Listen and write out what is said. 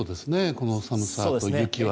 この寒さと雪は。